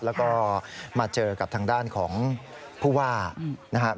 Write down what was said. แล้วก็มาเจอกับทางด้านของผู้ว่านะครับ